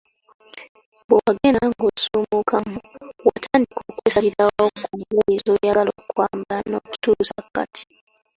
Bwewagenda ng‘osuumukamu watandika okwesalirawo ku ngoye z‘oyagala okwambala n‘okutuusa kati.